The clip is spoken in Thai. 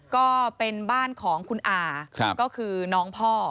ก็เป็นบ้านของคุณอาก็คือน้องพ่อ